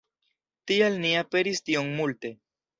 Tial ni aperis tiom multe.